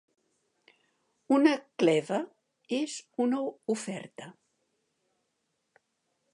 Una "cleva" és una oferta.